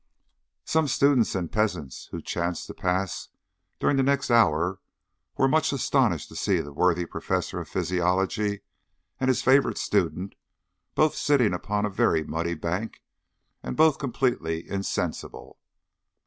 Some students and peasants who chanced to pass during the next hour were much astonished to see the worthy Professor of Physiology and his favourite student both sitting upon a very muddy bank and both completely insensible.